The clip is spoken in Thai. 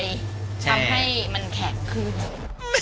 ทำให้มันแข็งขึ้น